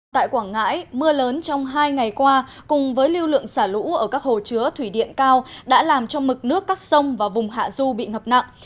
tại quảng ngãi mưa lớn trong hai ngày qua cùng với lưu lượng xả lũ ở các hồ chứa thủy điện cao đã làm cho mực nước các sông và vùng hạ du bị ngập nặng